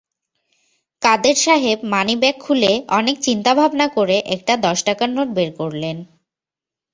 কাদের সাহেব মানিব্যাগ খুলে অনেক চিন্তা-ভাবনা করে একটা দশ টাকার নোট বের করলেন।